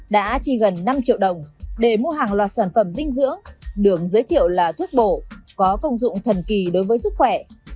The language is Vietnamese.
đã chi gần năm triệu đồng để mua hàng loạt sản phẩm dinh dưỡng đường giới thiệu là thuốc bổ có công dụng thần kỳ đối với sức khỏe